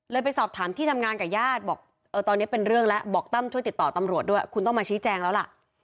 ไปสอบถามที่ทำงานกับญาติบอกตอนนี้เป็นเรื่องแล้วบอกตั้มช่วยติดต่อตำรวจด้วยคุณต้องมาชี้แจงแล้วล่ะ